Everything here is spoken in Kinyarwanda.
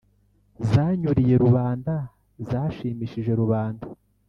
zanyuriye rubanda: zashimishije rubanda